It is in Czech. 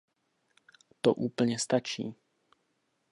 To úplně stačí.